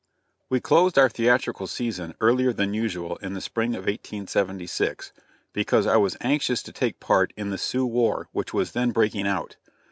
We closed our theatrical season earlier than usual in the spring of 1876, because I was anxious to take part in the Sioux war which was then breaking out.